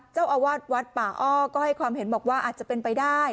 เจ้าอาวาสวัดป่าอ้อก็ให้ความเห็นบอกว่าอาจจะเป็นไปได้